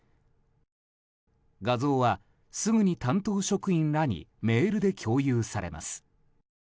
画像はすぐに担当職員らにメールで共有されます。